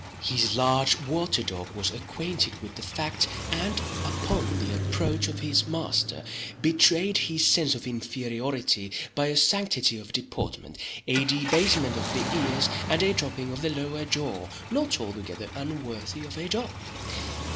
His large water dog was acquainted with the fact, and upon the approach of his master, betrayed his sense of inferiority by a sanctity of deportment, a debasement of the ears, and a dropping of the lower jaw not altogether unworthy of a dog.